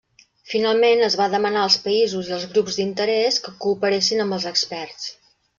Finalment, es va demanar als països i als grups d'interès que cooperessin amb els experts.